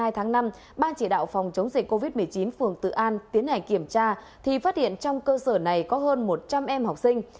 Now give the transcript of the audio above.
trong những ngày kiểm tra phát hiện trong cơ sở này có hơn một trăm linh em học sinh